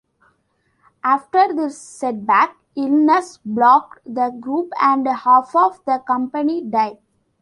After this setback, illness plagued the group and half of the company died.